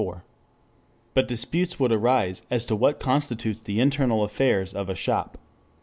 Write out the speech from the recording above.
IV.] But dispute would arise as to what constitute the internal affairs of a shop.